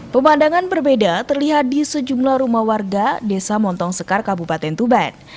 pemandangan berbeda terlihat di sejumlah rumah warga desa montong sekar kabupaten tuban